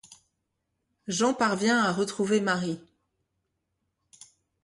Jean parvient à retrouver Marie.